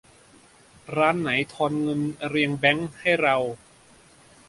ร้านไหนตอนทอนเงินเรียงแบงก์ให้เรา